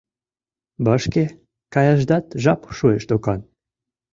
— Вашке каяшдат жап шуэш докан?